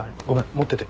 持ってて。